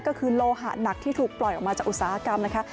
ก็คือโลหะหนักที่ถูกปล่อยออกมาจากอุตสาหกรรมนะคะ